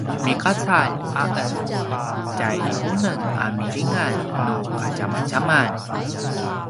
migacalj a en itja unem a milingan nu kadjamadjaman